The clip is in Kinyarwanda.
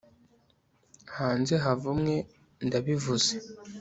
Hanze havumwe Ndabivuze